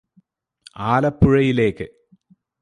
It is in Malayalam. ആലപ്പുഴയിലേക്ക്